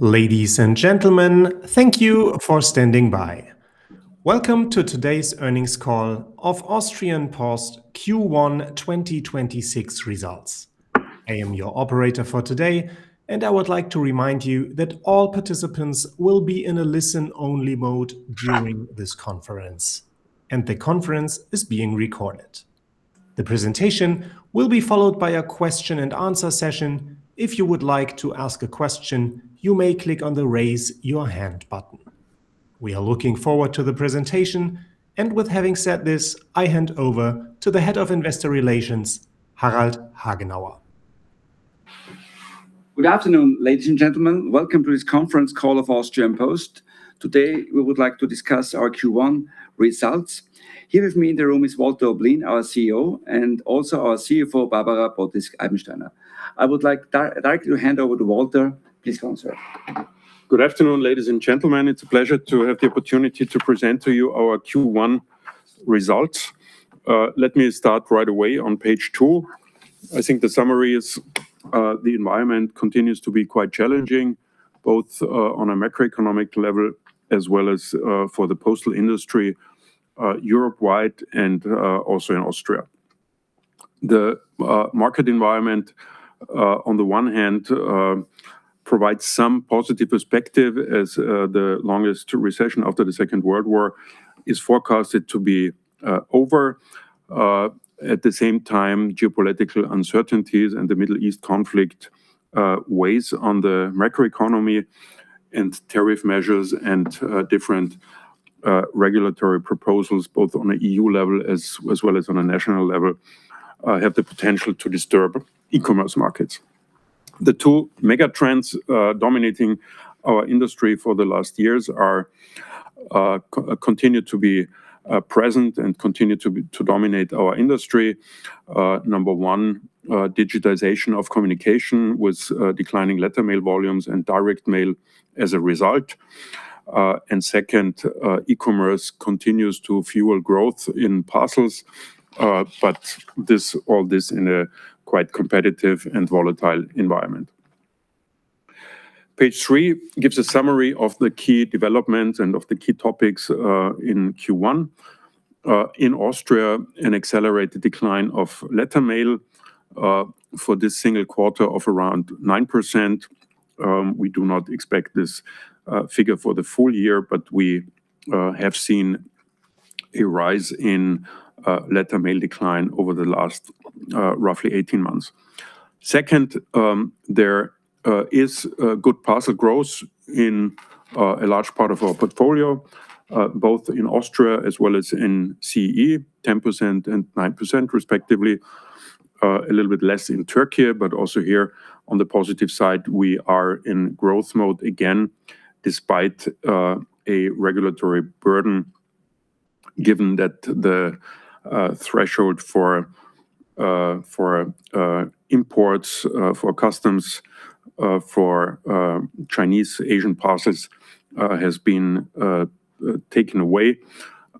Ladies and gentlemen, thank you for standing by. Welcome to today's earnings call of Austrian Post Q1 2026 results. I am your operator for today, and I would like to remind you that all participants will be in a listen-only mode during this conference, and the conference is being recorded. The presentation will be followed by a question-and-answer session. If you would like to ask a question, you may click on the raise your hand button. We are looking forward to the presentation. With having said this, I hand over to the Head of Investor Relations, Harald Hagenauer. Good afternoon, ladies and gentlemen. Welcome to this conference call of Austrian Post. Today, we would like to discuss our Q1 results. Here with me in the room is Walter Oblin, our CEO, and also our CFO, Barbara Potisk-Eibensteiner. I'd like to hand over to Walter. Please go on, sir. Good afternoon, ladies and gentlemen. It's a pleasure to have the opportunity to present to you our Q1 results. Let me start right away on page two. I think the summary is, the environment continues to be quite challenging, both on a macroeconomic level as well as for the postal industry Europe-wide and also in Austria. The market environment on the one hand provides some positive perspective as the longest recession after the Second World War is forecasted to be over. At the same time, geopolitical uncertainties and the Middle East conflict weighs on the macroeconomy and tariff measures and different regulatory proposals, both on a E.U. level as well as on a national level, have the potential to disturb e-commerce markets. The two mega trends dominating our industry for the last years are continue to be present and continue to dominate our industry. Number one, digitization of communication with declining letter mail volumes and Direct Mail as a result. Second, e-commerce continues to fuel growth in parcels. All this in a quite competitive and volatile environment. Page three gives a summary of the key developments and of the key topics in Q1. In Austria, an accelerated decline of letter mail for this single quarter of around 9%. We do not expect this figure for the full year, we have seen a rise in letter mail decline over the last roughly 18 months. Second, there is a good parcel growth in a large part of our portfolio, both in Austria as well as in CEE, 10% and 9% respectively. A little bit less in Turkey, but also here on the positive side, we are in growth mode again, despite a regulatory burden, given that the threshold for imports, for customs, for Chinese Asian parcels, has been taken away.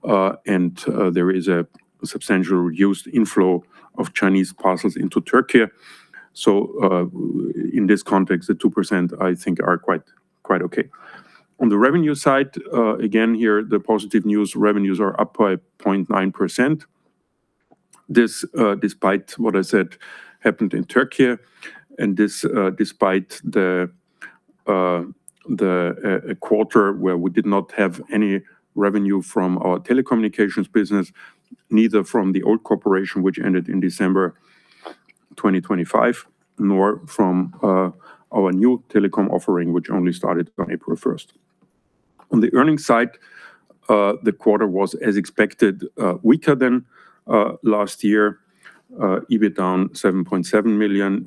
There is a substantial reduced inflow of Chinese parcels into Turkey. In this context, the 2%, I think, are quite okay. On the revenue side, again, here, the positive news, revenues are up by 0.9%. This, despite what I said happened in Turkey, despite a quarter where we did not have any revenue from our telecommunications business, neither from the old corporation, which ended in December 2025, nor from our new telecom offering, which only started on April 1st. On the earnings side, the quarter was, as expected, weaker than last year. EBIT down 7.7 million.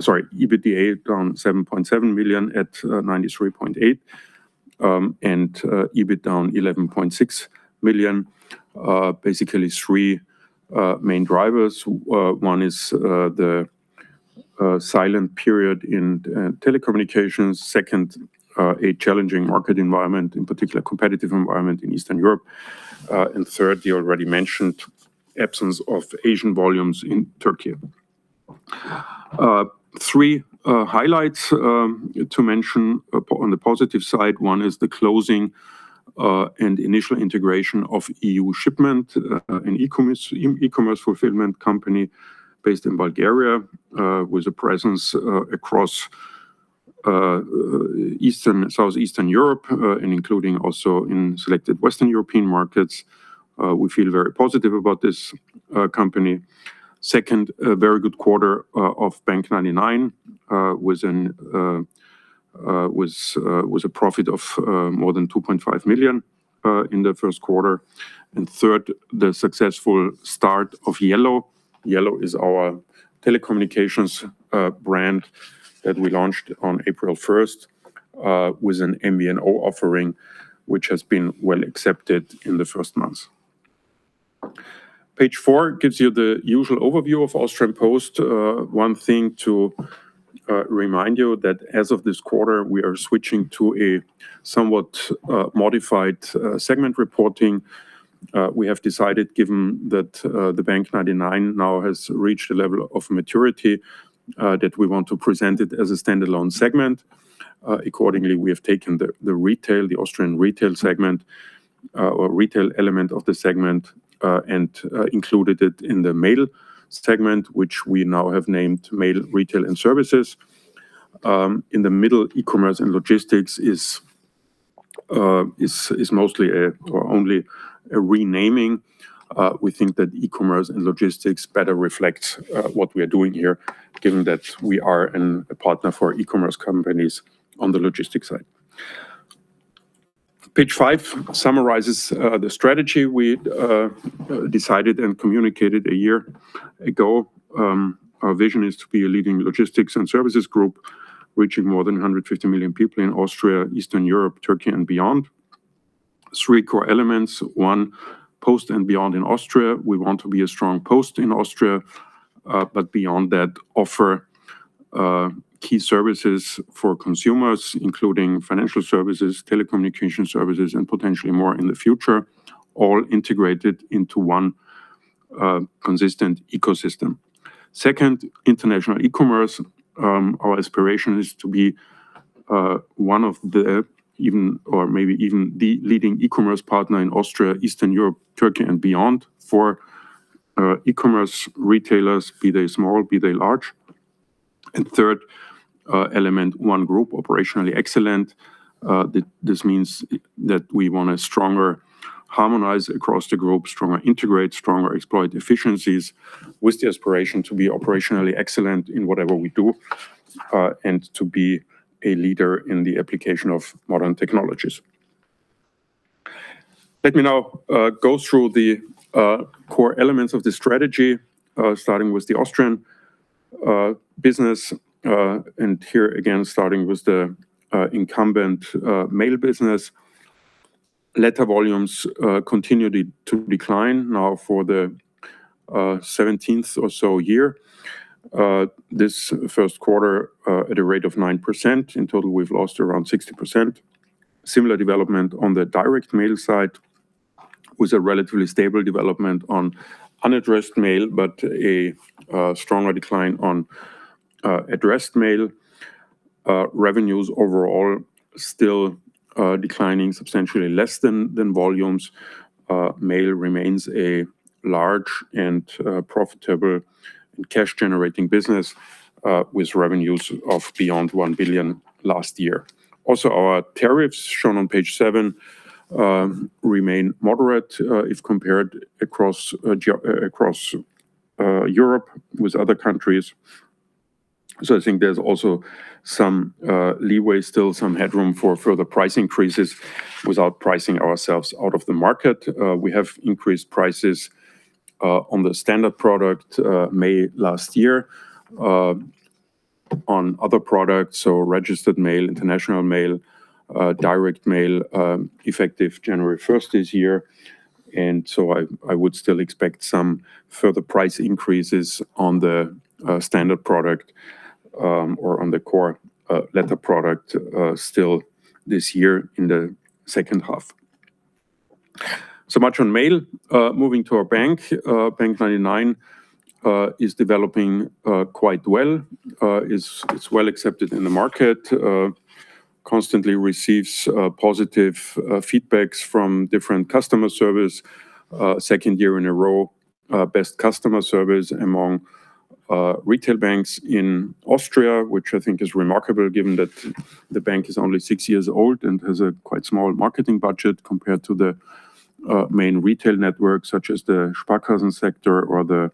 Sorry, EBITDA down 7.7 million at 93.8 million. EBIT down 11.6 million. Basically three main drivers. One is the silent period in telecommunications. Second, a challenging market environment, in particular competitive environment in Eastern Europe. Third, the already mentioned absence of Asian volumes in Turkey. Three highlights to mention on the positive side. One is the closing and initial integration of euShipments.com, an e-commerce fulfillment company based in Bulgaria, with a presence across Eastern, Southeastern Europe, and including also in selected Western European markets. We feel very positive about this company. Second, a very good quarter of bank99, with a profit of more than 2.5 million in the first quarter. Third, the successful start of YELLLOW. YELLLOW is our telecommunications brand that we launched on April 1st, with an MVNO offering, which has been well accepted in the first months. Page four gives you the usual overview of Austrian Post. One thing to remind you that as of this quarter, we are switching to a somewhat modified segment reporting. We have decided, given that the bank99 now has reached a level of maturity, that we want to present it as a standalone segment. Accordingly, we have taken the retail, the Austrian retail segment, or retail element of the segment, and included it in the mail segment, which we now have named Mail, Retail & Services. In the middle, E-Commerce & Logistics is mostly a, or only a renaming. We think that E-Commerce & Logistics better reflects what we are doing here given that we are a partner for e-commerce companies on the logistics side. Page five summarizes the strategy we decided and communicated a year ago. Our vision is to be a leading logistics and services group reaching more than 150 million people in Austria, Eastern Europe, Turkey, and beyond. Three core elements. One, Post and beyond in Austria. We want to be a strong post in Austria. But beyond that, offer key services for consumers, including financial services, telecommunication services, and potentially more in the future, all integrated into one consistent ecosystem. Second, international e-commerce. Our aspiration is to be one of the, even or maybe even the leading e-commerce partner in Austria, Eastern Europe, Turkey, and beyond for e-commerce retailers, be they small, be they large. Third, element, One Group, operationally excellent. This means that we want a stronger harmonize across the group, stronger integrate, stronger exploit efficiencies with the aspiration to be operationally excellent in whatever we do, and to be a leader in the application of modern technologies. Let me now go through the core elements of the strategy, starting with the Austrian business, and here again starting with the incumbent mail business. Letter volumes continued to decline now for the 17th or so year. This first quarter at a rate of 9%. In total, we've lost around 60%. Similar development on the Direct Mail side with a relatively stable development on unaddressed mail, but a stronger decline on addressed mail. Revenues overall still declining substantially less than volumes. Mail remains a large and profitable and cash-generating business, with revenues of beyond 1 billion last year. Our tariffs shown on page seven, remain moderate, if compared across Europe with other countries. I think there's also some leeway still, some headroom for further price increases without pricing ourselves out of the market. We have increased prices on the standard product, May last year, on other products, so registered mail, international mail, Direct Mail, effective January 1st this year. I would still expect some further price increases on the standard product, or on the core letter product, still this year in the second half. Much on mail. Moving to our bank. bank99 is developing quite well. It's well accepted in the market. Constantly receives positive feedbacks from different customer service. Second year in a row, best customer service among retail banks in Austria, which I think is remarkable given that the bank is only six years old and has a quite small marketing budget compared to the main retail networks such as the Sparkassen sector or the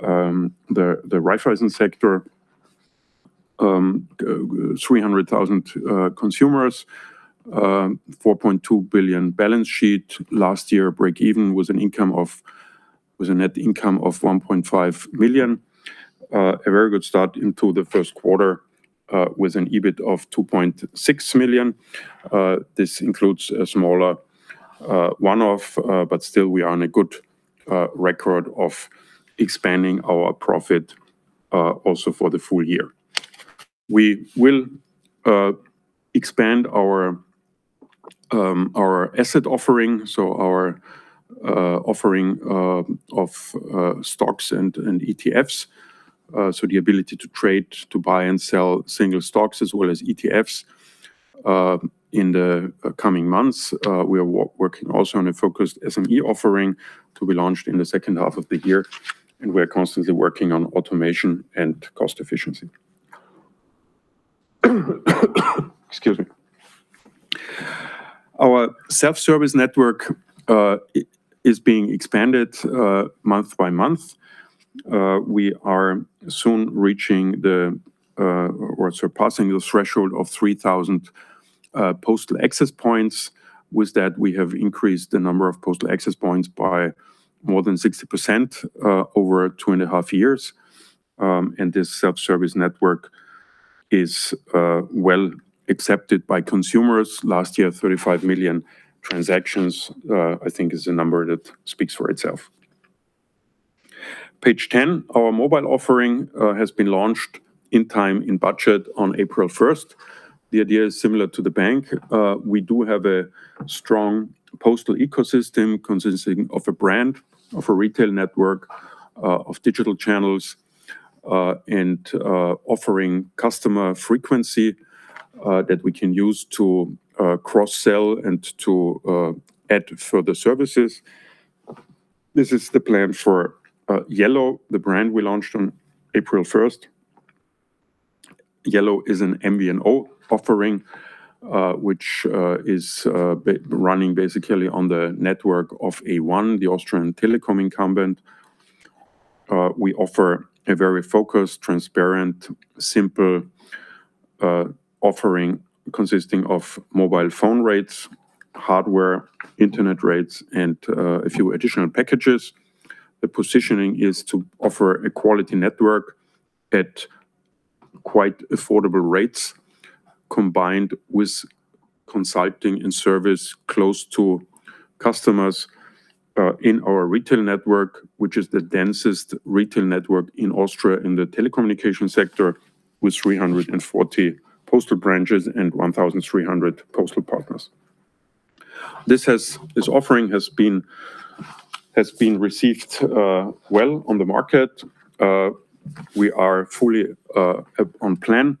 Raiffeisen sector. 300,000 consumers. 4.2 billion balance sheet. Last year, break even was a net income of 1.5 million. A very good start into the first quarter with an EBIT of 2.6 million. This includes a smaller, one-off, but still we are on a good record of expanding our profit, also for the full year. We will expand our asset offering, so our offering of stocks and ETFs, so the ability to trade, to buy and sell single stocks as well as ETFs, in the coming months. We are working also on a focused SME offering to be launched in the second half of the year, and we are constantly working on automation and cost efficiency. Excuse me. Our self-service network is being expanded month by month. We are soon reaching the or surpassing the threshold of 3,000 postal access points. With that, we have increased the number of postal access points by more than 60% over 2.5 years. This self-service network is well accepted by consumers. Last year, 35 million transactions, I think, is a number that speaks for itself. Page 10. Our mobile offering has been launched in time and budget on April 1st. The idea is similar to the bank. We do have a strong postal ecosystem consisting of a brand, of a retail network, of digital channels. Offering customer frequency that we can use to cross-sell and to add further services. This is the plan for YELLLOW, the brand we launched on April 1st. YELLLOW is an MVNO offering which is running basically on the network of A1, the Austrian telecom incumbent. We offer a very focused, transparent, simple offering consisting of mobile phone rates, hardware, internet rates, and a few additional packages. The positioning is to offer a quality network at quite affordable rates, combined with consulting and service close to customers in our retail network, which is the densest retail network in Austria in the telecommunication sector with 340 postal branches and 1,300 postal partners. This offering has been received well on the market. We are fully on plan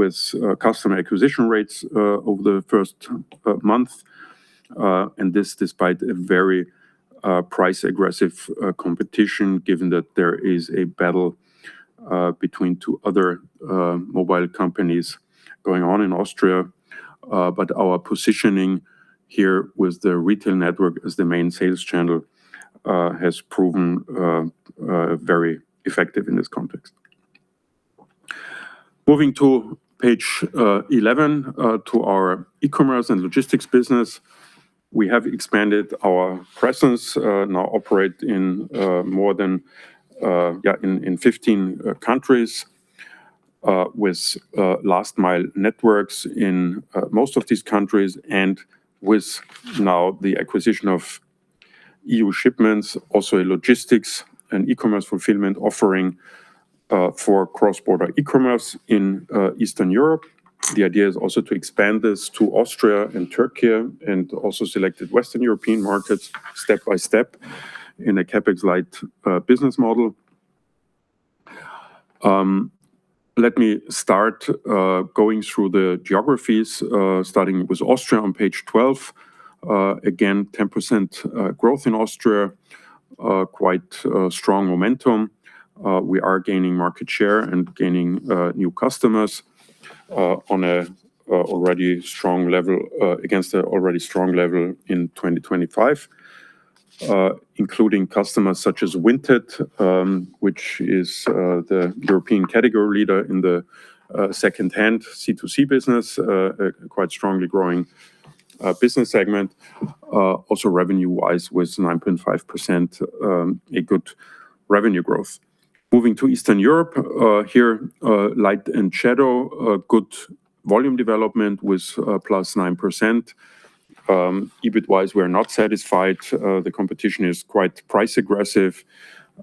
with customer acquisition rates over the first month, and this despite a very price aggressive competition, given that there is a battle between two other mobile companies going on in Austria. Our positioning here with the retail network as the main sales channel has proven very effective in this context. Moving to page 11, to our E-Commerce & Logistics business. We have expanded our presence, now operate in more than, in 15 countries, with last mile networks in most of these countries and with now the acquisition of euShipments.com, also a logistics and e-commerce fulfillment offering for cross-border e-commerce in Eastern Europe. The idea is also to expand this to Austria and Turkey and also selected Western European markets step by step in a CapEx-light business model. Let me start going through the geographies, starting with Austria on page 12. Again, 10% growth in Austria, quite strong momentum. We are gaining market share and gaining new customers on a already strong level against a already strong level in 2025. Including customers such as Vinted, which is the European category leader in the second-hand C2C business, quite strongly growing business segment. Also revenue-wise with 9.5%, a good revenue growth. Moving to Eastern Europe, here light and shadow, a good volume development with +9%. EBIT-wise, we are not satisfied. The competition is quite price aggressive,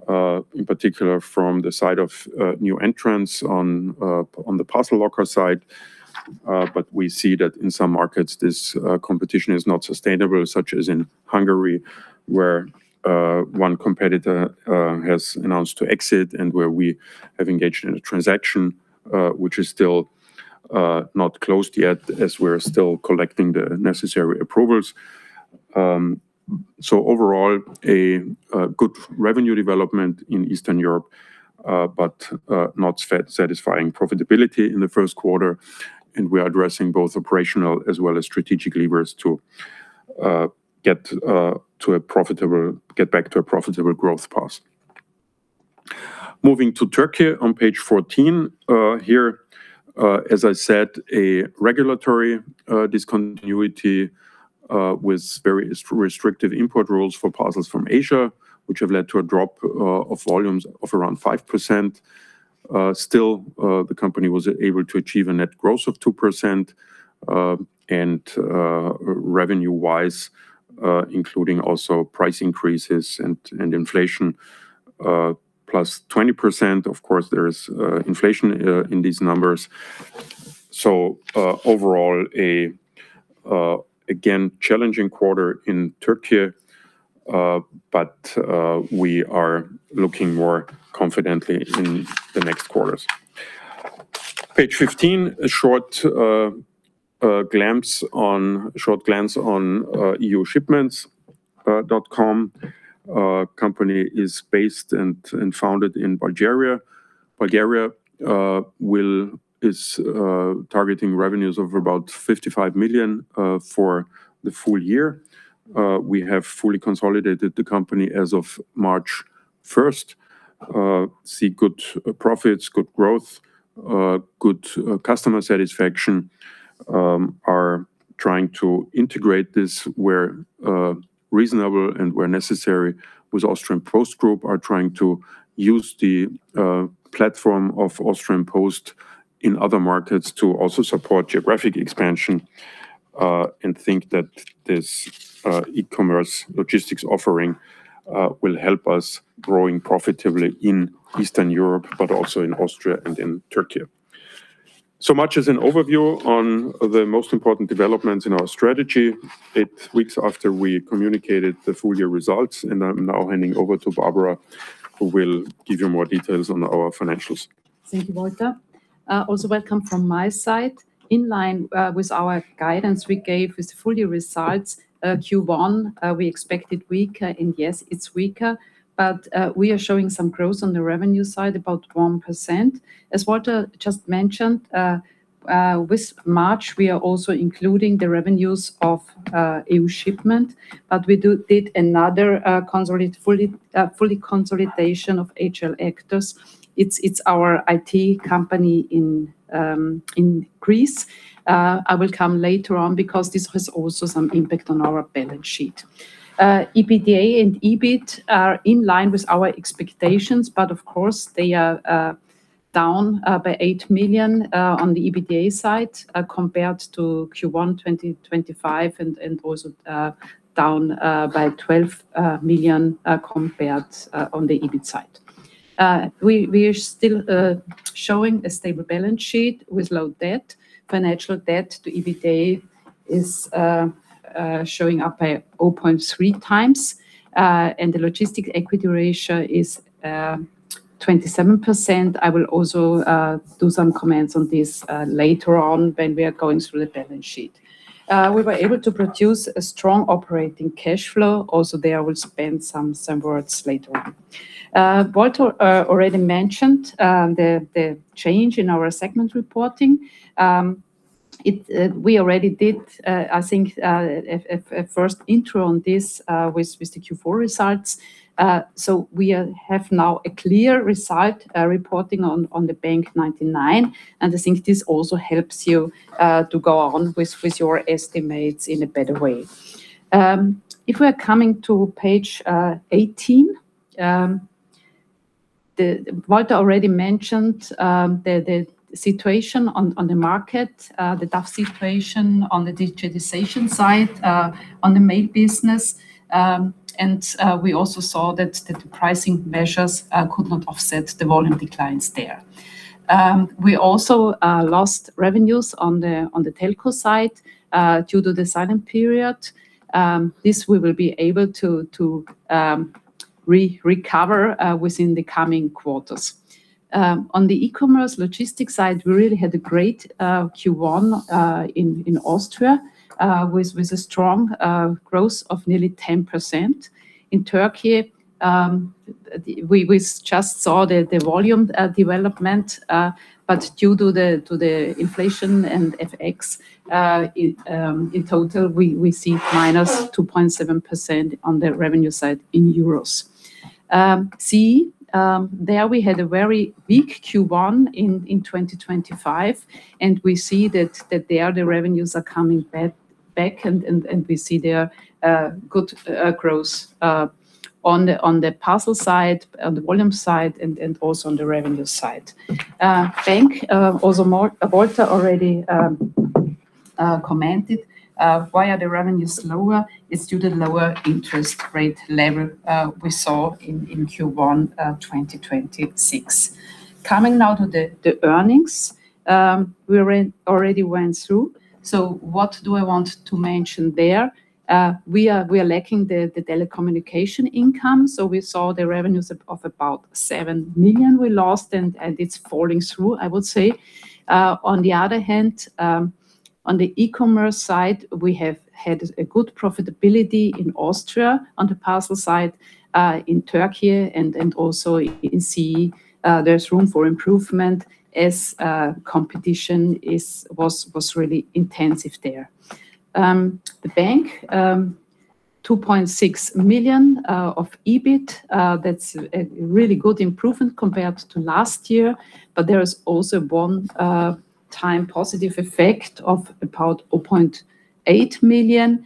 in particular from the side of new entrants on the parcel locker side. We see that in some markets, this competition is not sustainable, such as in Hungary, where one competitor has announced to exit and where we have engaged in a transaction, which is still not closed yet as we're still collecting the necessary approvals. Overall, a good revenue development in Eastern Europe, but not satisfying profitability in the first quarter. We are addressing both operational as well as strategic levers to get back to a profitable growth path. Moving to Turkey on page 14. Here, as I said, a regulatory discontinuity with very restrictive import rules for parcels from Asia, which have led to a drop of volumes of around 5%. Still, the company was able to achieve a net growth of 2%, revenue-wise, including also price increases and inflation, +20%. Of course, there is inflation in these numbers. Overall, again, challenging quarter in Turkey, we are looking more confidently in the next quarters. Page 15, a short glance on euShipments.com. Company is based and founded in Bulgaria. Bulgaria is targeting revenues of about 55 million for the full year. We have fully consolidated the company as of March 1st. See good profits, good growth, good customer satisfaction. Are trying to integrate this where reasonable and where necessary with Austrian Post Group. Are trying to use the platform of Austrian Post in other markets to also support geographic expansion and think that this e-commerce logistics offering will help us growing profitably in Eastern Europe, but also in Austria and in Turkey. Much as an overview on the most important developments in our strategy eight weeks after we communicated the full year results. I'm now handing over to Barbara, who will give you more details on our financials. Thank you, Walter. Also welcome from my side. In line with our guidance we gave with full year results, Q1, we expected weaker, and yes, it's weaker. But we are showing some growth on the revenue side, about 1%. As Walter just mentioned, with March, we are also including the revenues of euShipments.com, but we did another fully consolidation of Agile Actors. It's our IT company in Greece. I will come later on because this has also some impact on our balance sheet. EBITDA and EBIT are in line with our expectations, but of course they are down by 8 million on the EBITDA side compared to Q1 2025 and also down by 12 million compared on the EBIT side. We are still showing a stable balance sheet with low debt. Financial debt to EBITDA is showing up by 0.3x. And the logistics equity ratio is 27%. I will also do some comments on this later on when we are going through the balance sheet. We were able to produce a strong operating cash flow. Also there I will spend some words later on. Walter already mentioned the change in our segment reporting. It we already did I think a first intro on this with the Q4 results. We have now a clear result reporting on bank99, and I think this also helps you to go on with your estimates in a better way. If we are coming to page 18, Walter already mentioned the situation on the market, the tough situation on the digitization side, on the main business. We also saw that the pricing measures could not offset the volume declines there. We also lost revenues on the telco side due to the silent period. This we will be able to recover within the coming quarters. On the e-commerce logistics side, we really had a great Q1 in Austria with a strong growth of nearly 10%. In Turkey, we just saw the volume development, but due to the inflation and FX, in total we see -2.7% on the revenue side in euros. CEE, there we had a very weak Q1 in 2025, and we see that there the revenues are coming back and we see there good growth on the parcel side, on the volume side, and also on the revenue side. bank99, also Walter already commented. Why are the revenues lower? It's due to lower interest rate level we saw in Q1 2026. Coming now to the earnings, we already went through. What do I want to mention there? We are lacking the telecommunication income. We saw the revenues of about 7 million we lost and it's falling through, I would say. On the other hand, on the e-commerce side, we have had a good profitability in Austria on the parcel side, in Turkey and also in CEE, there's room for improvement as competition was really intensive there. The bank, 2.6 million of EBIT. That's a really good improvement compared to last year, but there is also one time positive effect of about 0.8 million.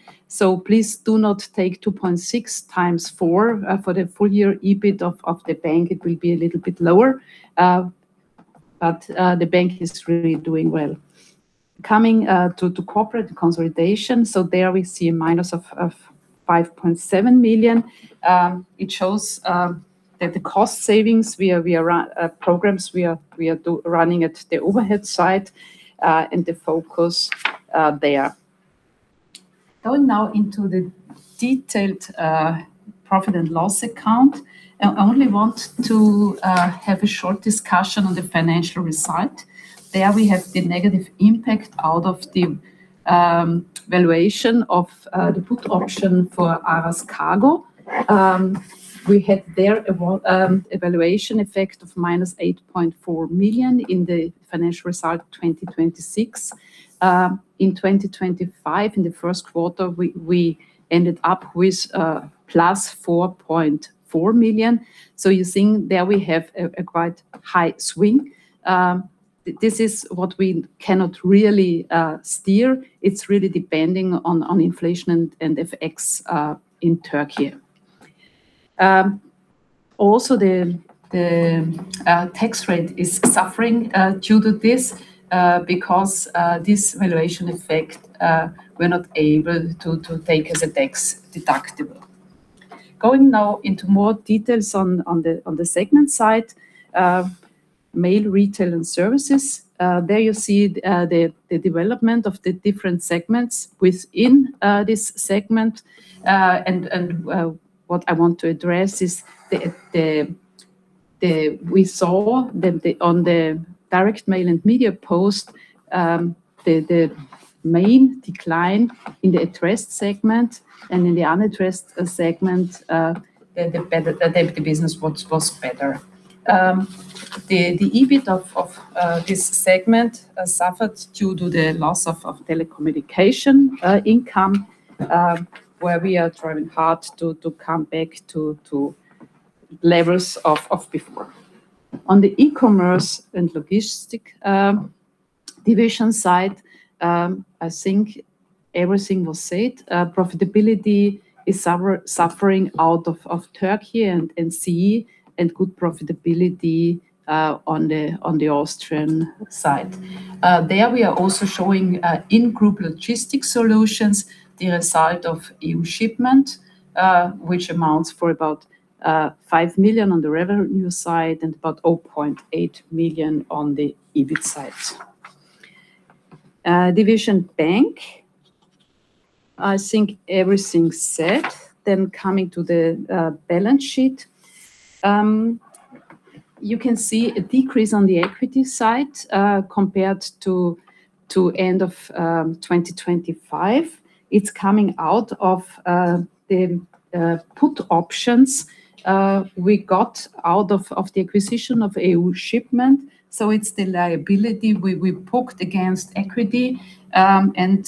Please do not take 2.6 x 4 for the full year EBIT of the bank. It will be a little bit lower. But the bank is really doing well. To corporate consolidation, there we see a minus of 5.7 million. It shows that the cost savings programs we are running at the overhead side and the focus there. Going now into the detailed profit and loss account, I only want to have a short discussion on the financial result. There we have the negative impact out of the valuation of the put option for Aras Kargo. We had there a valuation effect of -8.4 million in the financial result 2026. In 2025, in the first quarter, we ended up with +4.4 million. You think there we have a quite high swing. This is what we cannot really steer. It's really depending on inflation and FX in Turkey. Also the tax rate is suffering due to this because this valuation effect we're not able to take as a tax deductible. Going now into more details on the segment side. Mail, Retail & Services, there you see the development of the different segments within this segment. What I want to address is we saw that on the Direct Mail and Media Post, the main decline in the addressed segment and in the unaddressed segment, the business was better. The EBIT of this segment suffered due to the loss of telecommunication income, where we are trying hard to come back to levels of before. On the e-commerce and logistics division side, I think everything was said. Profitability is suffering out of Turkey and CEE, and good profitability on the Austrian side. There we are also showing Group Logistics Solutions, the result of euShipments.com, which amounts for about 5 million on the revenue side and about 0.8 million on the EBIT side. Division bank, I think everything said. Coming to the balance sheet. You can see a decrease on the equity side compared to end of 2025. It's coming out of the put options we got out of the acquisition of euShipments.com. It's the liability we booked against equity, and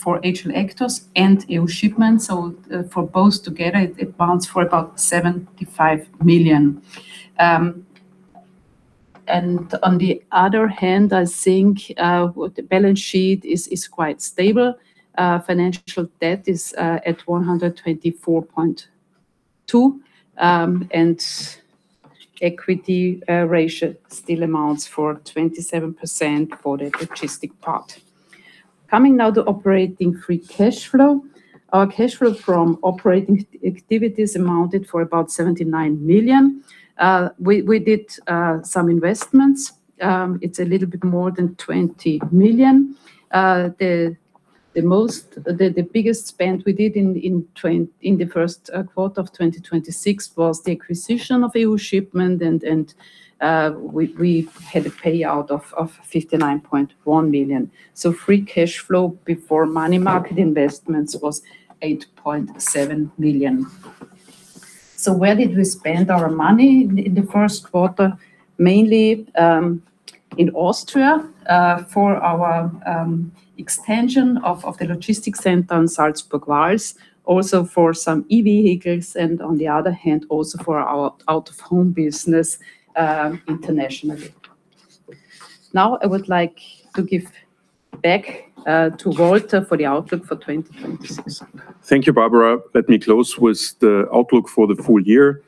for Agile Actors and euShipments.com. For both together it amounts for about 75 million. On the other hand, I think the balance sheet is quite stable. Financial debt is at 124.2, and equity ratio still amounts for 27% for the logistic part. Coming now to operating free cashflow. Our cashflow from operating activities amounted for about 79 million. We did some investments. It's a little bit more than 20 million. The biggest spend we did in the first quarter of 2026 was the acquisition of euShipments.com and we had a payout of 59.1 million. Free cashflow before money market investments was 8.7 million. Where did we spend our money in the first quarter? Mainly in Austria for our extension of the logistics center in Salzburg Wals. Also for some EV vehicles and on the other hand, also for our out-of-home business internationally. Now I would like to give back to Walter for the outlook for 2026. Thank you, Barbara. Let me close with the outlook for the full year.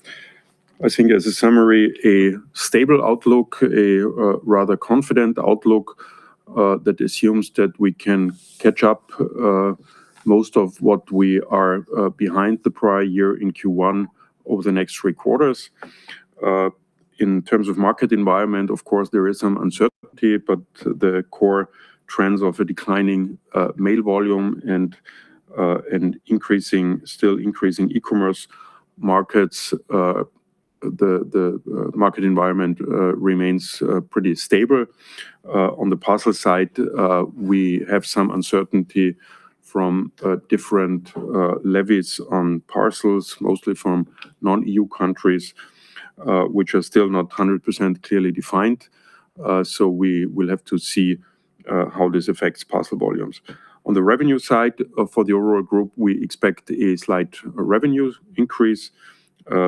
I think as a summary, a stable outlook, a rather confident outlook that assumes that we can catch up most of what we are behind the prior year in Q1 over the next three quarters. In terms of market environment, of course, there is some uncertainty, but the core trends of a declining mail volume and increasing, still increasing e-commerce markets, the market environment remains pretty stable. On the parcel side, we have some uncertainty from different levies on parcels, mostly from non-E.U. countries, which are still not 100% clearly defined. We will have to see how this affects parcel volumes. On the revenue side of, for the overall group, we expect a slight revenue increase,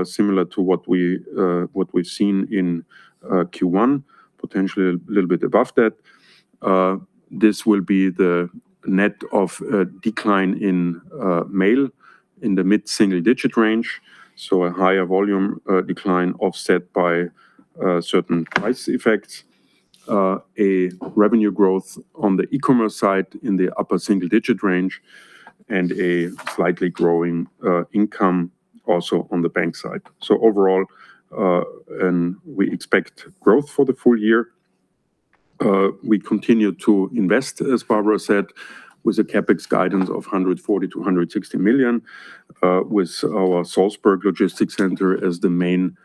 similar to what we've seen in Q1, potentially a little bit above that. This will be the net of a decline in mail in the mid-single digit range, so a higher volume, decline offset by certain price effects. A revenue growth on the e-commerce side in the upper single digit range and a slightly growing, income also on the bank side. Overall, and we expect growth for the full year. We continue to invest, as Barbara said, with a CapEx guidance of 140 million-160 million, with our Salzburg logistics center as the main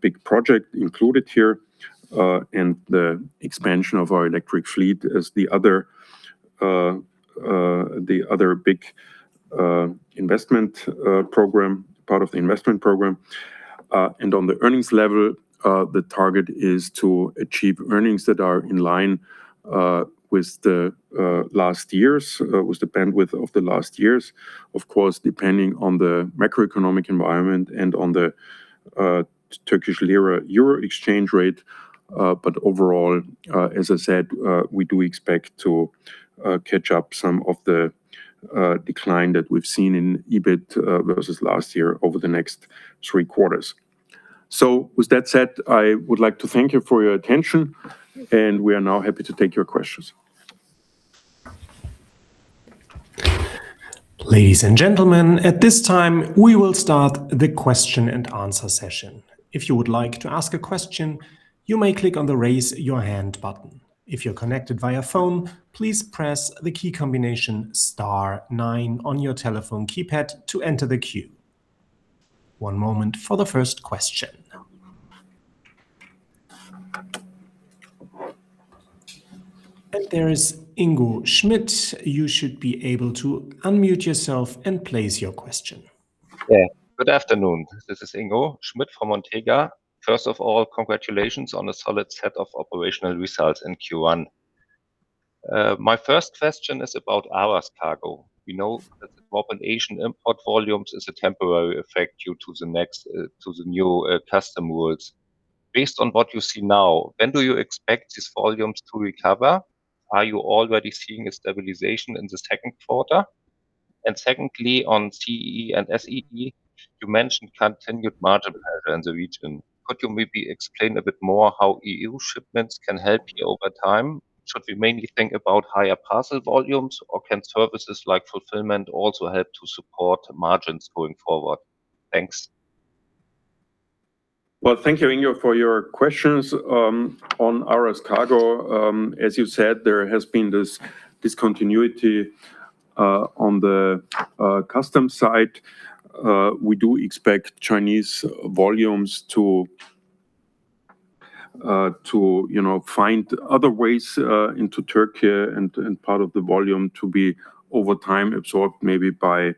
big project included here, and the expansion of our electric fleet as the other big investment program, part of the investment program. And on the earnings level, the target is to achieve earnings that are in line with the last year's, with the bandwidth of the last year's. Of course, depending on the macroeconomic environment and on the Turkish lira euro exchange rate. But overall, as I said, we do expect to catch up some of the decline that we've seen in EBIT versus last year over the next three quarters. With that said, I would like to thank you for your attention, and we are now happy to take your questions. Ladies and gentlemen, at this time, we will start the question-and-answer session. If you would like to ask a question, you may click on the raise your hand button. If you are connected via phone, please press the key combination star nine on your telephone keypad to enter the queue. One moment for the first question. There is Ingo Schmidt. You should be able to unmute yourself and place your question. Good afternoon. This is Ingo Schmidt from Montega. Congratulations on a solid set of operational results in Q1. My first question is about Aras Kargo. We know that the drop in Asian import volumes is a temporary effect due to the new custom rules. Based on what you see now, when do you expect these volumes to recover? Are you already seeing a stabilization in the second quarter? Secondly, on CEE and SEE, you mentioned continued margin pressure in the region. Could you maybe explain a bit more how euShipments.com can help you over time? Should we mainly think about higher parcel volumes, or can services like fulfillment also help to support margins going forward? Thanks. Thank you, Ingo, for your questions. On Aras Kargo, as you said, there has been this discontinuity on the custom side. We do expect Chinese volumes to, you know, find other ways into Turkey and part of the volume to be, over time, absorbed maybe by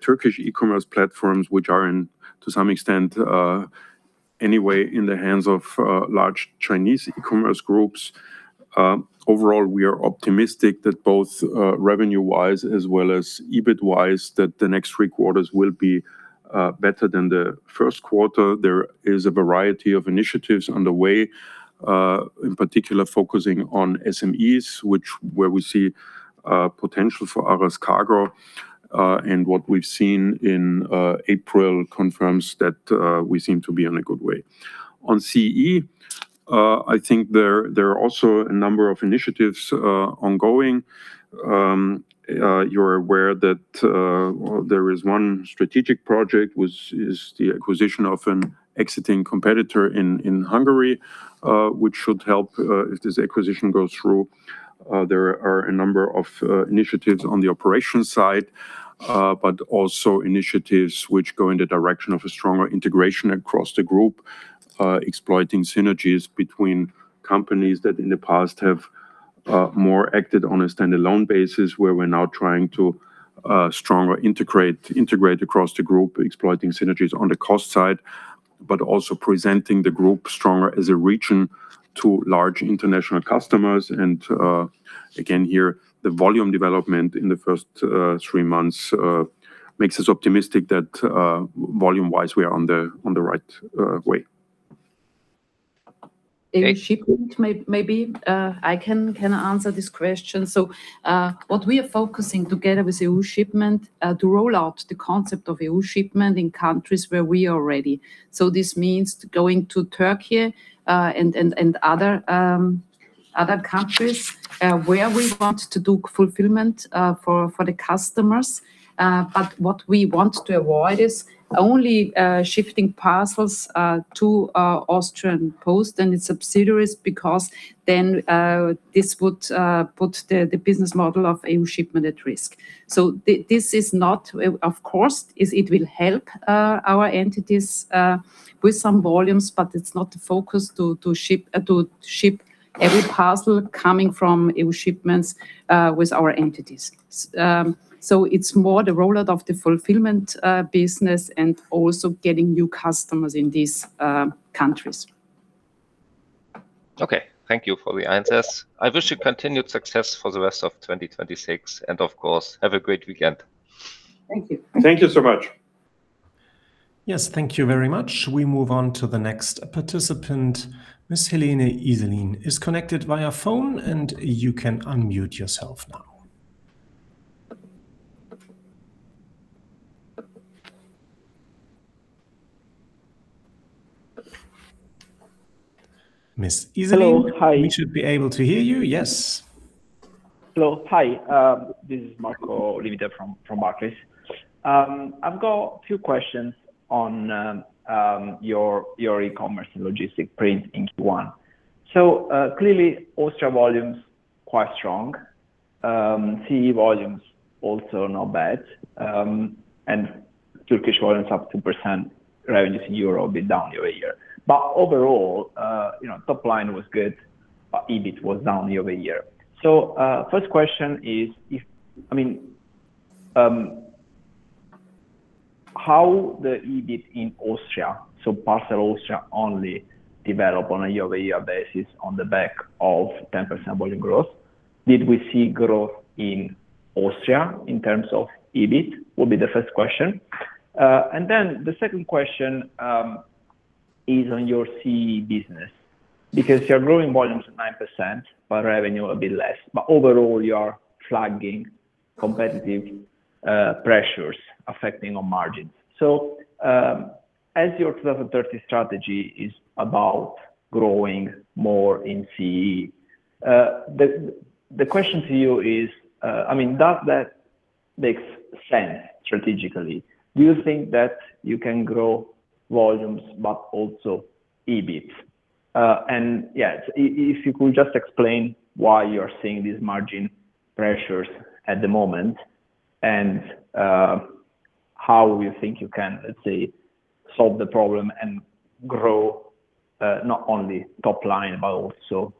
Turkish e-commerce platforms, which are in, to some extent, anyway in the hands of large Chinese e-commerce groups. Overall, we are optimistic that both revenue-wise as well as EBIT-wise, that the next three quarters will be better than the first quarter. There is a variety of initiatives on the way, in particular focusing on SMEs, where we see potential for Aras Kargo. What we've seen in April confirms that we seem to be on a good way. On CEE, I think there are also a number of initiatives ongoing. You're aware that there is one strategic project, which is the acquisition of an exiting competitor in Hungary, which should help if this acquisition goes through. There are a number of initiatives on the operations side, but also initiatives which go in the direction of a stronger integration across the Group, exploiting synergies between companies that in the past have more acted on a standalone basis, where we're now trying to stronger integrate across the Group, exploiting synergies on the cost side, but also presenting the Group stronger as a region to large international customers. Again, here, the volume development in the first three months makes us optimistic that volume-wise, we are on the right way. Thank- Ingo Schmidt, maybe I can answer this question. What we are focusing together with euShipments.com to roll out the concept of euShipments.com in countries where we are ready. This means going to Turkey and other countries where we want to do fulfillment for the customers. What we want to avoid is only shifting parcels to Austrian Post and its subsidiaries, because then this would put the business model of euShipments.com at risk. This is not, of course, it will help our entities with some volumes, but it is not the focus to ship every parcel coming from euShipments.com with our entities. It's more the rollout of the fulfillment business and also getting new customers in these countries. Okay. Thank you for the answers. I wish you continued success for the rest of 2026, and of course, have a great weekend. Thank you. Thank you so much. Yes, thank you very much. We move on to the next participant. Ms. Hélène Iselin is connected via phone, and you can unmute yourself now. Ms. Iselin. Hello. Hi. We should be able to hear you. Yes. Hello. Hi. This is Marco Limite from Barclays. I've got a few questions on your E-Commerce & Logistics print in Q1. Clearly, Austria volume's quite strong. CEE volume's also not bad. Turkish volume's up 2%. Revenues in euro a bit down year-over-year. Overall, you know, top line was good, but EBIT was down year-over-year. First question is if I mean, how the EBIT in Austria, so Parcel Austria only, develop on a year-over-year basis on the back of 10% volume growth? Did we see growth in Austria in terms of EBIT, would be the first question. The second question is on your CEE business. Because you're growing volumes at 9%, but revenue a bit less. Overall, you are flagging competitive pressures affecting our margins. As your 2030 strategy is about growing more in CEE, I mean, does that makes sense strategically? Do you think that you can grow volumes but also EBIT? And yeah, if you could just explain why you're seeing these margin pressures at the moment and how you think you can, let's say, solve the problem and grow not only top line, but also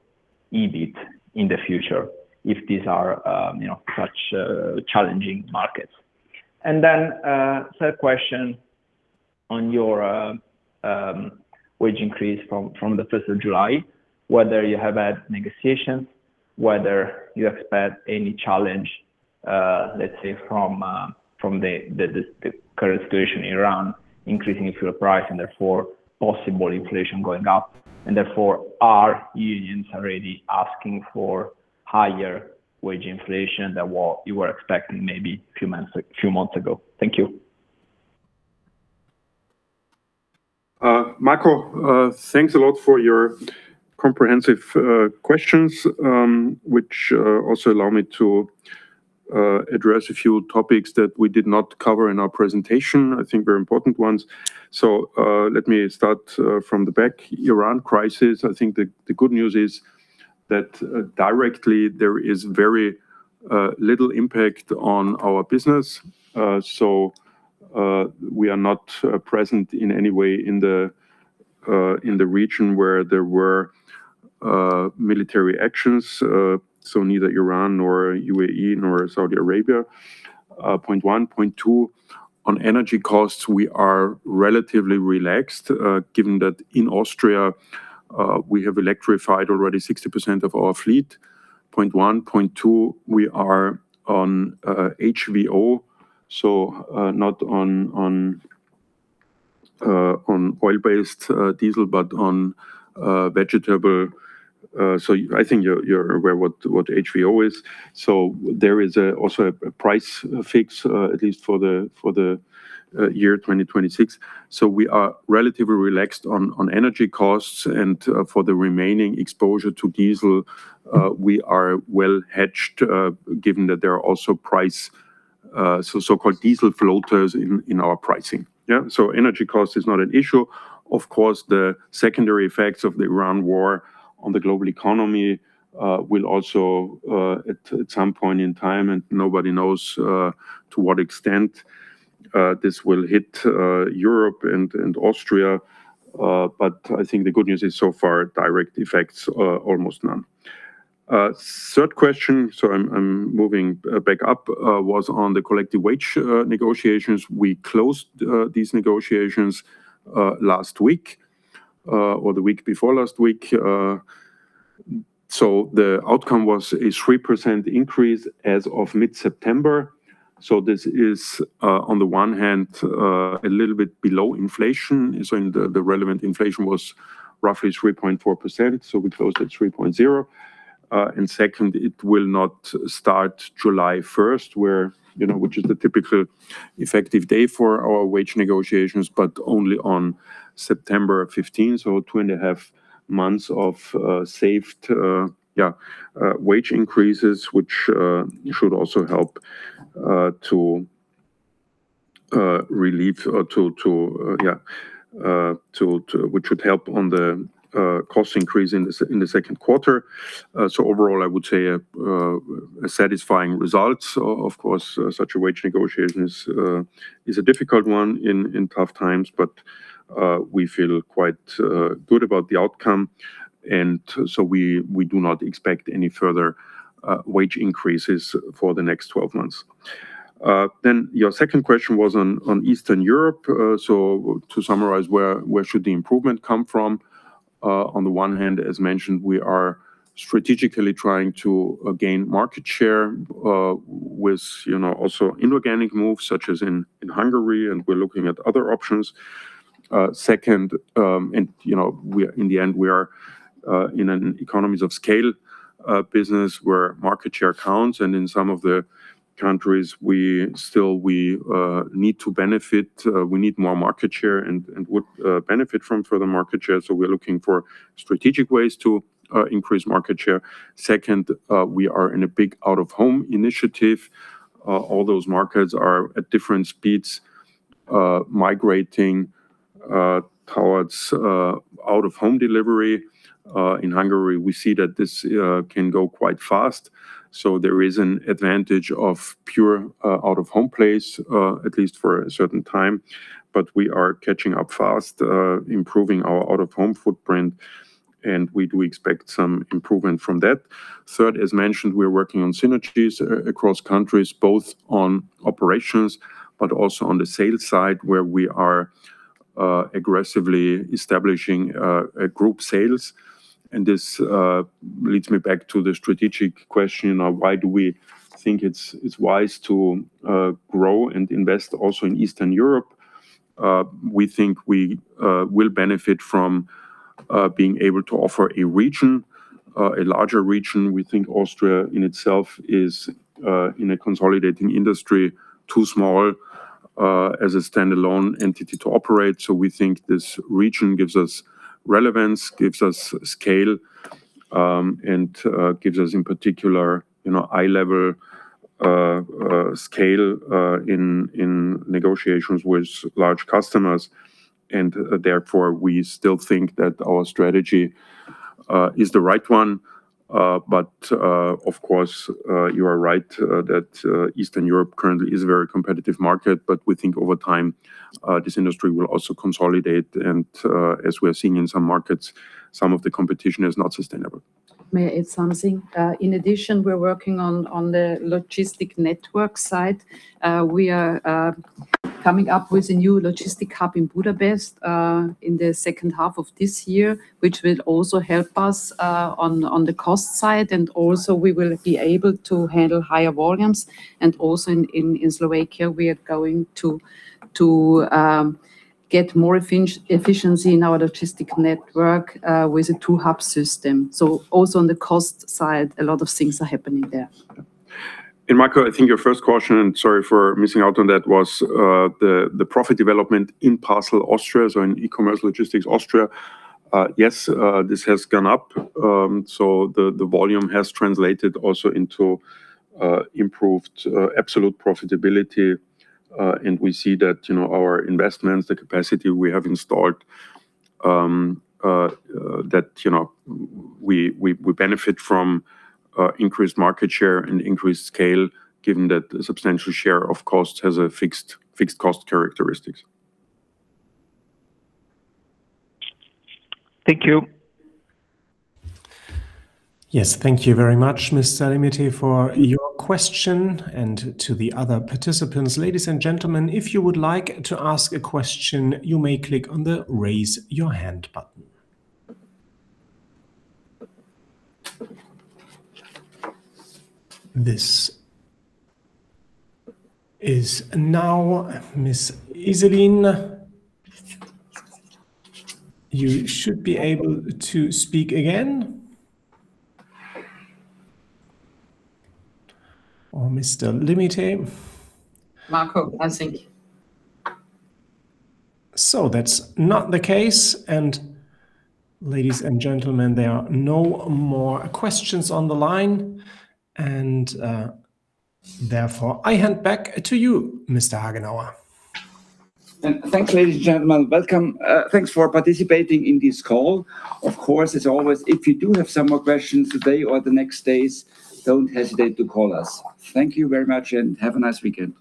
EBIT in the future if these are, you know, such challenging markets. Third question on your wage increase from the 1st of July, whether you have had negotiations, whether you expect any challenge, let's say from the current situation in Iran, increasing fuel price and therefore possible inflation going up. Therefore, are unions already asking for higher wage inflation than what you were expecting maybe few months ago? Thank you. Marco, thanks a lot for your comprehensive questions, which also allow me to address a few topics that we did not cover in our presentation, I think very important ones. Let me start from the back. Iran crisis, I think the good news is that directly there is very little impact on our business. We are not present in any way in the region where there were military actions. Neither Iran nor UAE nor Saudi Arabia, point one. Point two, on energy costs, we are relatively relaxed, given that in Austria, we have electrified already 60% of our fleet, point one. Point two, we are on HVO, so not on oil-based diesel, but on vegetable. I think you're aware what HVO is. There is also a price fix at least for the year 2026. We are relatively relaxed on energy costs and for the remaining exposure to diesel, we are well hedged, given that there are also price so-called diesel floaters in our pricing. Yeah, energy cost is not an issue. Of course, the secondary effects of the Iran war on the global economy will also at some point in time, and nobody knows to what extent this will hit Europe and Austria. I think the good news is so far direct effects are almost none. Third question, I'm moving back up, was on the collective wage negotiations. We closed these negotiations last week or the week before last week. The outcome was a 3% increase as of mid-September. This is on the one hand a little bit below inflation. In the relevant inflation was roughly 3.4%, we closed at 3.0. Second, it will not start July 1st, where, you know, which is the typical effective day for our wage negotiations, but only on September 15th, so 2.5 months of saved wage increases, which should also help to relieve or which would help on the cost increase in the second quarter. Overall, I would say a satisfying result. Of course, such a wage negotiation is a difficult one in tough times, but we feel quite good about the outcome. We do not expect any further wage increases for the next 12 months. Your second question was on Eastern Europe. To summarize, where should the improvement come from? On the one hand, as mentioned, we are strategically trying to gain market share, with, you know, also inorganic moves such as in Hungary, and we're looking at other options. Second, and, you know, in the end, we are in an economies of scale business where market share counts. In some of the countries we need to benefit. We need more market share and would benefit from further market share. We're looking for strategic ways to increase market share. Second, we are in a big out-of-home initiative. All those markets are at different speeds, migrating towards out-of-home delivery. In Hungary, we see that this can go quite fast. There is an advantage of pure out-of-home place, at least for a certain time. We are catching up fast, improving our out-of-home footprint, and we do expect some improvement from that. Third, as mentioned, we're working on synergies across countries, both on operations, but also on the sales side, where we are aggressively establishing a group sales. This leads me back to the strategic question of why do we think it's wise to grow and invest also in Eastern Europe. We think we will benefit from being able to offer a region, a larger region. We think Austria in itself is in a consolidating industry too small as a standalone entity to operate. We think this region gives us relevance, gives us scale, and gives us in particular, you know, eye-level scale in negotiations with large customers. Therefore we still think that our strategy is the right one. But of course, you are right that Eastern Europe currently is a very competitive market. We think over time, this industry will also consolidate and, as we are seeing in some markets, some of the competition is not sustainable. May I add something? In addition, we're working on the logistic network side. We are coming up with a new logistic hub in Budapest in the second half of this year, which will also help us on the cost side. We will be able to handle higher volumes. In Slovakia, we are going to get more efficiency in our logistic network with a two hub system. On the cost side, a lot of things are happening there. Marco, I think your first question, sorry for missing out on that, was the profit development in Parcel Austria's or in E-Commerce Logistics Austria. Yes, this has gone up. The volume has translated also into improved absolute profitability. We see that, you know, our investments, the capacity we have installed, that, you know, we benefit from increased market share and increased scale given that a substantial share of cost has a fixed cost characteristics. Thank you. Yes. Thank you very much, Mr. Limite, for your question and to the other participants. Ladies and gentlemen, if you would like to ask a question, you may click on the raise your hand button. This is now Ms. Iseline. You should be able to speak again, or Mr. Limite. Marco I think. That's not the case. Ladies and gentlemen, there are no more questions on the line, and therefore, I hand back to you, Mr. Hagenauer. Thanks, ladies and gentlemen. Welcome. Thanks for participating in this call. Of course, as always, if you do have some more questions today or the next days, don't hesitate to call us. Thank you very much, and have a nice weekend.